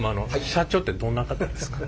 社長ってどんな方ですか？